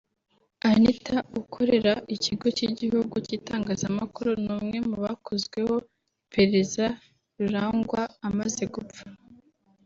Anita ukorera Ikigo cy’Igihugu cy’Itangazamakuru ni umwe mu bakozweho iperereza Rurangwa amaze gupfa